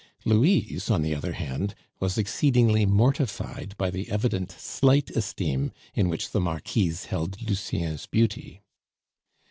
Louise, on the other hand, was exceedingly mortified by the evident slight esteem in which the Marquise held Lucien's beauty.